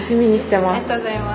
ありがとうございます。